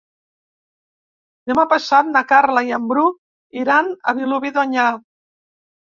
Demà passat na Carla i en Bru iran a Vilobí d'Onyar.